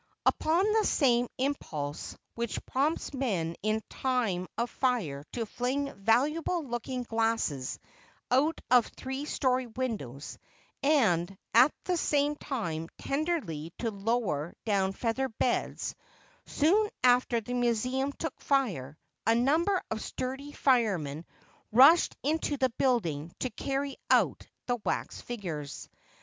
Upon the same impulse which prompts men in time of fire to fling valuable looking glasses out of three story windows and at the same time tenderly to lower down feather beds, soon after the Museum took fire, a number of sturdy firemen rushed into the building to carry out the wax figures.